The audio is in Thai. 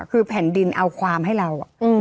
คือแผ่นดินเอาความให้เรา